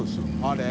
あれ。